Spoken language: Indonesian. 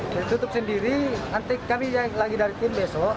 menutup sendiri nanti kami yang lagi dari tim besok